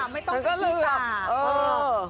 ไม่ต้องไปที่ต่าง